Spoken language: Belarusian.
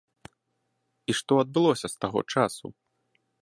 І што адбылося з таго часу?